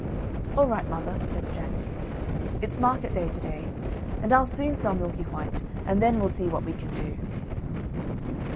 "All right, mother," says Jack; "it's market day today, and I'll soon sell Milky white, and then we'll see what we can do."